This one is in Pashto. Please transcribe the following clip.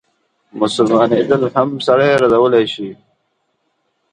مسلمانېدل هم سړی ردولای شي.